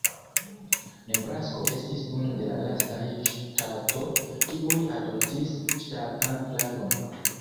Nebrasko estis unu de la lastaj ŝtatoj, kiuj adoptis ŝtatan flagon.